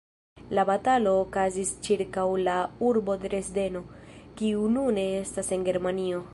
La batalo okazis ĉirkaŭ la urbo Dresdeno, kiu nune estas en Germanio.